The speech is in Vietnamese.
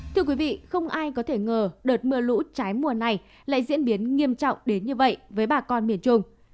thưa quý vị không ai có thể ngờ đợt mưa lũ trái mùa này lại diễn biến nghiêm trọng đến như vậy với bà con miền trung